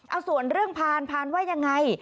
เอาส่วนเรื่องผ่านผ่านไว้ยังไง